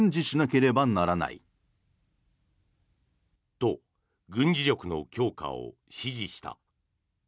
と、軍事力の強化を指示した。